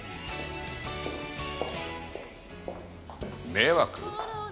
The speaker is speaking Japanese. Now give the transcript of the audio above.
迷惑？